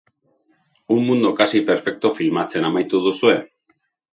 Un mundo casi perfecto filmatzen amaitu duzue?